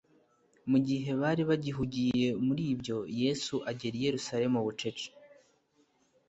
Mu gihe bari bagihugiye muri ibyo Yesu agera i Yerusalemu bucece.